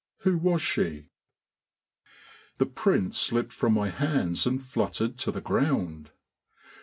"Who was she?" The print slipped from my hands and fluttered to the ground.